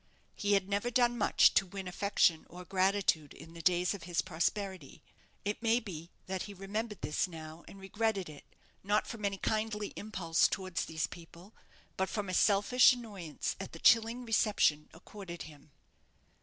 He had never done much to win affection or gratitude in the days of his prosperity. It may be that he remembered this now, and regretted it, not from any kindly impulse towards these people, but from a selfish annoyance at the chilling reception accorded him.